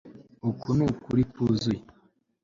uku nukuri kwuzuye